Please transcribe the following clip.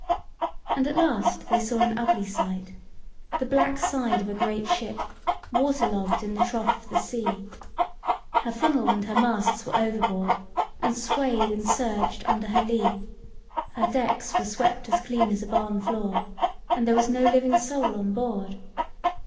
And at last they saw an ugly sight—the black side of a great ship, waterlogged in the trough of the sea. Her funnel and her masts were overboard, and swayed and surged under her lee; her decks were swept as clean as a barn floor, and there was no living soul on board.